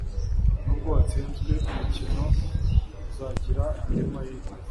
nubwo watsinzwe umukino, uzagira andi mahirwe